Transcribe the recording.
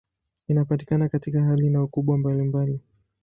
Inapatikana katika hali na ukubwa mbalimbali.